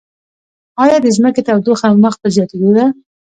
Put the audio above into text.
ایا د ځمکې تودوخه مخ په زیاتیدو ده؟